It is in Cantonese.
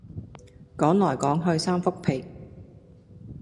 講來講去三幅被